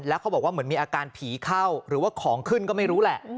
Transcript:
แล้วเขาบอกว่าเหมือนมีอาการผีเข้าหรือว่าของขึ้นก็ไม่รู้แหละ